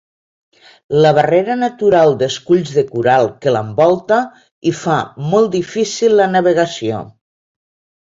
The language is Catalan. La barrera natural d'esculls de coral que l'envolta hi fa molt difícil la navegació.